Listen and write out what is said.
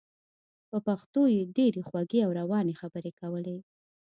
په پښتو یې ډېرې خوږې او روانې خبرې کولې.